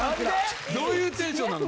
どういうテンションなの？